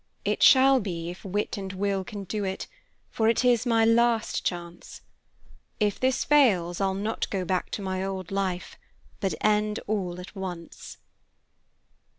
It shall be, if wit and will can do it, for it is my last chance. If this fails, I'll not go back to my old life, but end all at once."